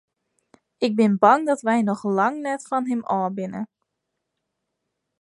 Ik bin bang dat wy noch lang net fan him ôf binne.